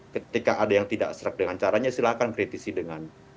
ketika ada yang tidak serap dengan caranya silahkan kritisi dengan